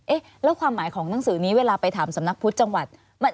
เอ๊ะแล้วความหมายของหนังสือนี้เวลาไปถามสำนักพุทธจังหวัด